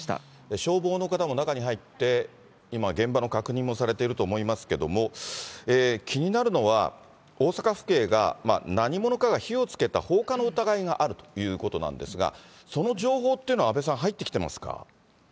消防の方も中に入って、今、現場の確認もされていると思いますけれども、気になるのは、大阪府警が何者かが火をつけた放火の疑いがあるということなんですが、その情報というのは阿部さん、入ってきてますか。